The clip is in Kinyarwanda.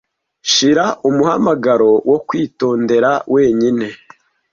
Shira umuhamagaro wo kwitondera wenyine